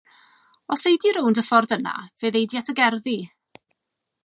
Os ei di rownd y ffordd yna fe ddei di at y gerddi.